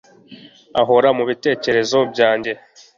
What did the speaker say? uhora mubitekerezo byanjye